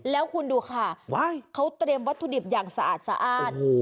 แล้วคุณดูคะมันเตรียมวัตถุดิบอย่างสะอาด